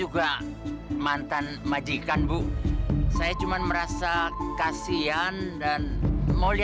karena dia aiki bangun bangun